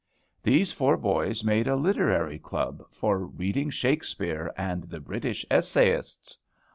These four boys made a literary club "for reading Shakespeare and the British essayists."